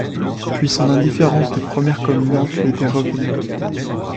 Puis son indifférence de première communiante lui était revenue.